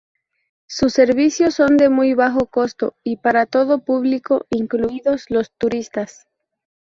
Sus servicios son de muy bajo costo y para todo público, incluidos los turistas.